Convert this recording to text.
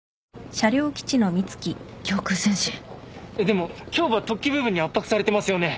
でも胸部は突起部分に圧迫されてますよね？